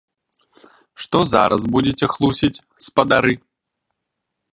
Што зараз будзеце хлусіць, спадары?